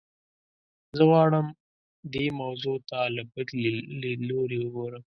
زه غواړم دې موضوع ته له بل لیدلوري وګورم.